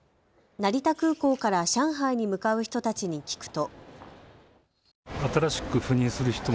成田空港から上海に向かう人たちに聞くと。